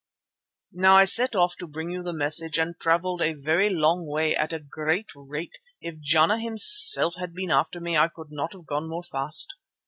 "Now I set off to bring you the message and travelled a very long way at a great rate; if Jana himself had been after me I could not have gone more fast.